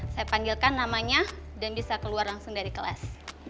saya panggilkan namanya dan bisa keluar langsung dari kelas